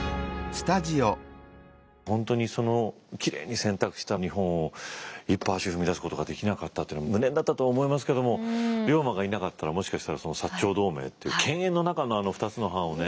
本当にそのきれいに洗濯した日本を一歩足踏み出すことができなかったというのは無念だったと思いますけども龍馬がいなかったらもしかしたらその長同盟っていう犬猿の仲のあの２つの藩をね